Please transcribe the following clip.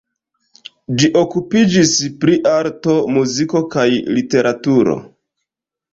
Ĝi okupiĝis pri arto, muziko kaj literaturo.